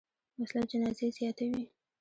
وسله جنازې زیاتوي